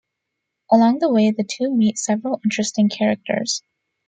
Along the way, the two meet several interesting characters.